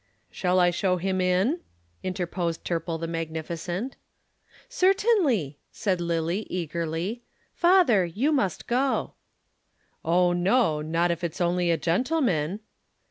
"Shall I show him in?" interposed Turple the magnificent. "Certainly," said Lillie eagerly. "Father, you must go." "Oh, no! Not if it's only a gentleman."